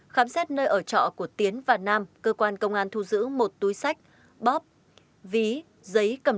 khám xét nơi ở trọ của tiến và nam cơ quan công an thu giữ một túi sách bóp ví giấy cầm